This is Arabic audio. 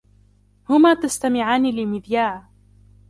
هما تستمعان للمذياع.